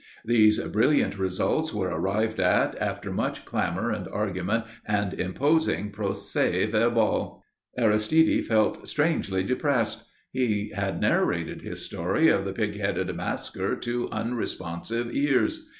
These brilliant results were arrived at after much clamour and argument and imposing procès verbal. Aristide felt strangely depressed. He had narrated his story of the pig headed masquer to unresponsive ears.